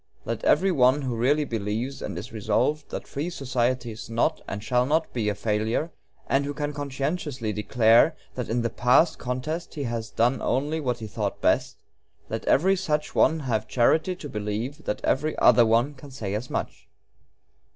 Let every one who really believes, and is resolved, that free society is not and shall not be a failure, and who can conscientiously declare that in the past contest he has done only what he thought best let every such one have charity to believe that every other one can say as much.